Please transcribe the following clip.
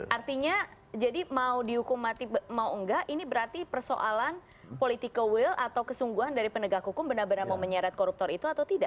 artinya jadi mau dihukum mati mau enggak ini berarti persoalan political will atau kesungguhan dari penegak hukum benar benar mau menyeret koruptor itu atau tidak